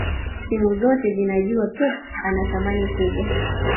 timu zote zinajua pep ana thamani kubwa